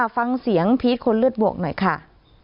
ฟังเสียงพีชคนเลือดบวกหน่อยค่ะ